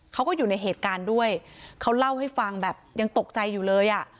เขาก็อยู่ในเหตุการณ์ด้วยเขาเล่าให้ฟังแบบยังตกใจอยู่เลยอ่ะ